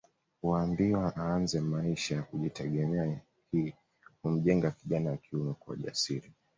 Huambiwa aanze maisha ya kujitegemea hii humjenga kijana wa kiume kuwa jasiri